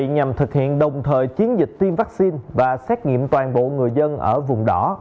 nhằm thực hiện đồng thời chiến dịch tiêm vaccine và xét nghiệm toàn bộ người dân ở vùng đỏ